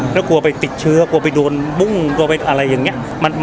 กลัวไปติดเชื้อกลัวไปโดนบุ้งอะไรอย่างเนี้ย